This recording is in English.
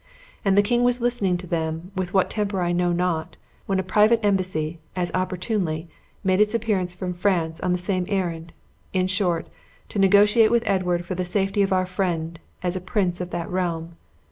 And the king was listening to them, with what temper I know not, when a private embassy, as opportunely, made its appearance from France, on the same errand; in short, to negotiate with Edward for the safety of our friend, as a prince of that realm.